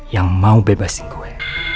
yang mau bebasin gue